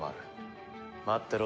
待ってろ